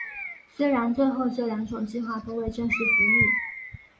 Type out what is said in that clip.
虽然最后这两种计划都未正式服役。